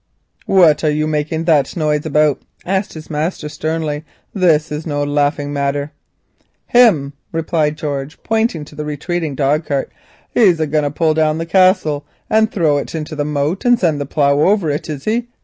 "What are you making that noise about?" asked his master sternly. "This is no laughing matter." "Him!" replied George, pointing to the retreating dog cart—"he's a going to pull down the Castle and throw it into the moat and to send the plough over it, is he?